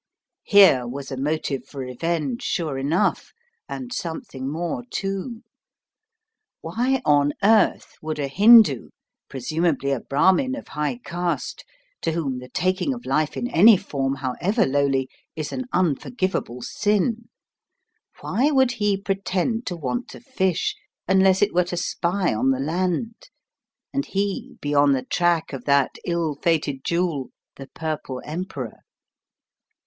Here was a motive for revenge sure enough and something more, too. Why on earth would a Hindoo, presumably a Brahmin of high caste, to whom the taking of life in any form, however lowly, is an unforgivable sin, why would he pretend to want to fish, unless it were to spy on the land, and he be on the track of that ill fated jewel the "Purple Emperor"?